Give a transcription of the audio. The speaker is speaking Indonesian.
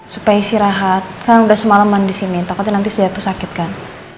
supaya istri rahat kan udah semalam mandi sini takutnya nanti sejatuh sakit kan